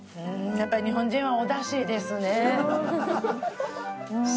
やっぱり日本人はおダシですねうん